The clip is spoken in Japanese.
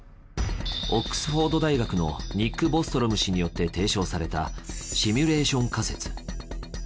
オックスフォード大学のニック・ボストロム氏によって提唱されたシミュレーション仮説。